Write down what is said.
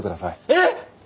えっ！？